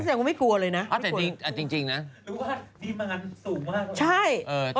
แต่ไม่กลัวเลยนะ